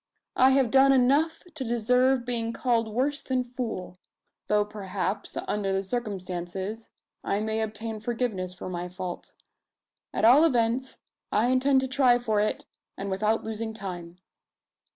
I have done enough to deserve being called worse than fool; though perhaps, under the circumstances, I may obtain forgiveness for my fault. At all events, I intend to try for it, and without losing time."